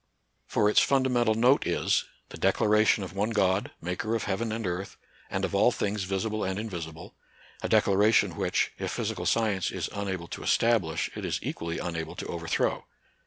For its fundamental note is, the declaration of one God, maker of heaven and earth, and of all things, visible and invisible, — a declaration which, if physical science is unable to establish, it is equally unable to overthrow.